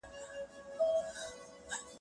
په ښوونځي کي د ماشومانو وړتیاوې باید وپېژندل سي.